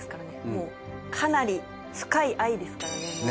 もうかなり深い愛ですからね